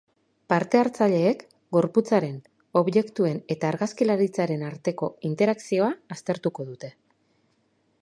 Parte-hartzaileek gorputzaren, objektuen eta argazkilaritzaren arteko interakzioa aztertuko dute.